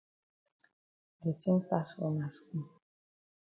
De tin pass for ma skin.